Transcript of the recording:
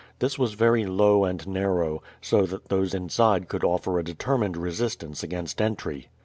This was very low and narrow, so that those inside could offer a determined resistance against entry.